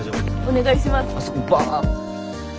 お願いします。